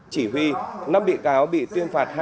chỉ huy năm bị cáo bị tuyên phạt